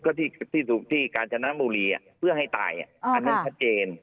ก็ที่ที่สุดที่การชนะบุรีอ่ะเพื่อให้ตายอ่ะอ่าค่ะอันนั้นชัดเจน